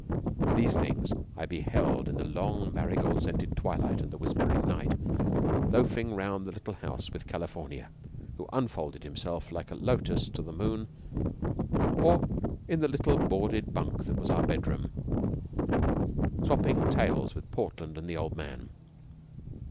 These things I beheld in the long marigold scented twilight and whispering night, loafing round the little house with California, who un folded himself like a lotus to the moon, or in the little boarded bunk that was our bedroom, swap ping tales with Portland and the old man.